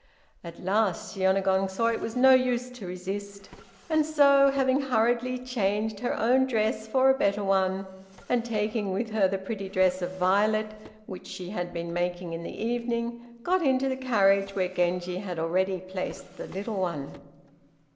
At last Shiônagon saw it was no use to resist, and so having hurriedly changed her own dress for a better one, and taking with her the pretty dress of Violet which she had been making in the evening, got into the carriage, where Genji had already placed the little one.